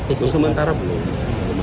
itu sementara belum